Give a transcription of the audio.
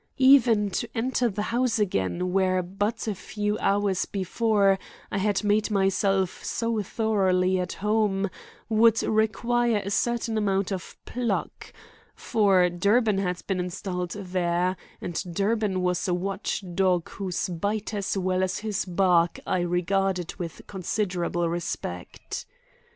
Even to enter the house again where but a few hours before I had made myself so thoroughly at home would require a certain amount of pluck; for Durbin had been installed there, and Durbin was a watch dog whose bite as well as his bark I regarded with considerable respect.